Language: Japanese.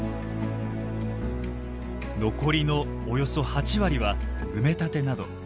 残りのおよそ８割は埋め立てなど。